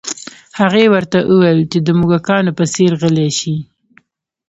هغې ورته وویل چې د موږکانو په څیر غلي شي